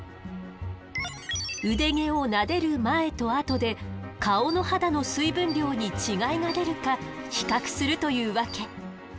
腕毛をなでる前とあとで顔の肌の水分量に違いが出るか比較するというわけ。